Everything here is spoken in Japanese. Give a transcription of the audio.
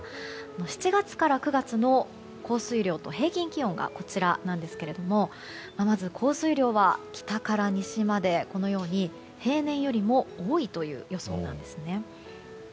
７月から９月の降水量と平均気温がこちらなんですがまず降水量は、北から西まで平年よりも多いという予想です。